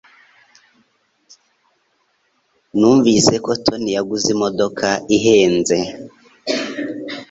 Numvise ko Tony yaguze imodoka ihenze